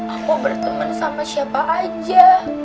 aku berteman sama siapa aja